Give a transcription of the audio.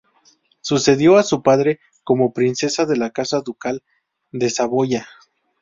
Sucedió a su padre como princesa de la casa ducal de Saboya.